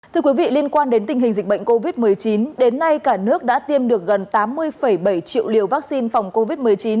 thưa quý vị liên quan đến tình hình dịch bệnh covid một mươi chín đến nay cả nước đã tiêm được gần tám mươi bảy triệu liều vaccine phòng covid một mươi chín